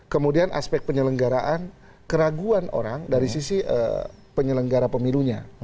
kemudian aspek penyelenggaraan keraguan orang dari sisi penyelenggara pemilunya